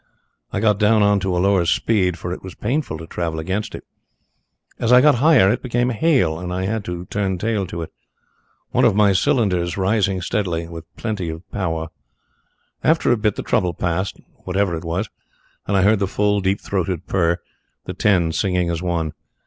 I got down on to a low speed, for it was painful to travel against it. As I got higher it became hail, and I had to turn tail to it. One of my cylinders was out of action a dirty plug, I should imagine, but still I was rising steadily with plenty of power. After a bit the trouble passed, whatever it was, and I heard the full, deep throated purr the ten singing as one.